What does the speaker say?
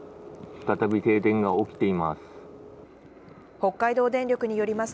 再び停電が起きています。